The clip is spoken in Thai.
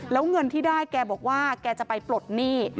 แล้วเงินที่ได้แกบอกว่าแกจะไปปลดหนี้